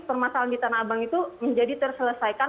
permasalahan di tanah abang itu menjadi terselesaikan